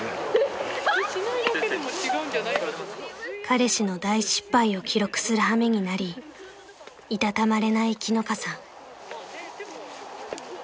［彼氏の大失敗を記録するはめになり居たたまれない樹乃香さん］